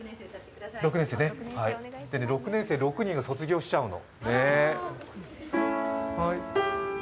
６年生６人が卒業しちゃうの。